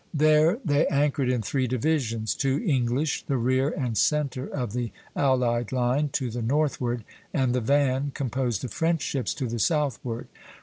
There they anchored in three divisions, two English, the rear and centre of the allied line, to the northward, and the van, composed of French ships, to the southward.